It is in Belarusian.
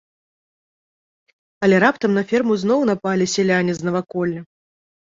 Але раптам на ферму зноў напалі сяляне з наваколля.